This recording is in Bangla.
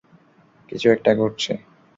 কিছু একটা ঘটছে।